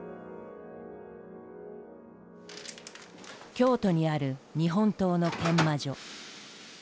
京都にある日本刀の研磨所。